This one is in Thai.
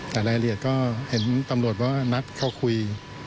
แต่รายละเอียดก็เห็นตำรวจว่านัดเขาคุย